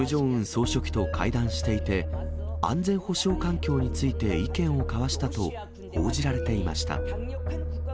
総書記と会談していて、安全保障環境について意見を交わしたと報じられていました。